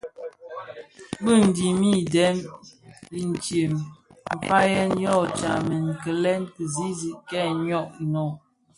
Bë dhini dèm intsem nfayèn yō tsamèn kilè kizizig kè йyō inōk.